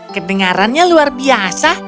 kedengarannya luar biasa